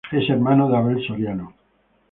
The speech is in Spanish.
Es hermano de Abel Soriano.